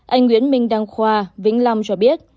anh nguyễn minh đăng khoa vĩnh lâm cho biết